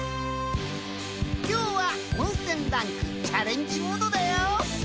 きょうはおんせんランクチャレンジモードだよ！